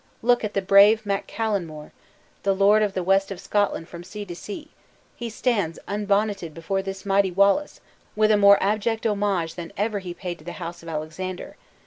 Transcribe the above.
Look at the brave Mack Callan more, the lord of the west of Scotland from sea to sea; he stands unbonneted before this mighty Wallace with a more abject homage than ever he paid to the house of Alexander!